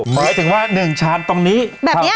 หมายถึงว่าหนึ่งชานตรงนี้แบบเนี้ย